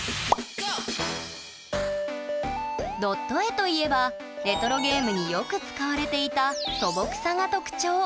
ドット絵といえばレトロゲームによく使われていた素朴さが特徴。